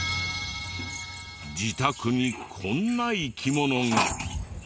自宅にこんな生き物が。